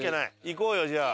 行こうよじゃあ。